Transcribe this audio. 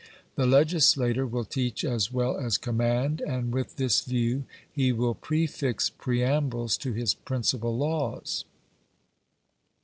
The legislator will teach as well as command; and with this view he will prefix preambles to his principal laws.